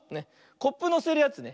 コップのせるやつね。